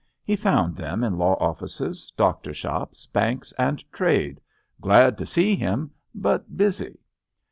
He found them in law offices, doctor shops, banks and trade — glad to see him, but busy.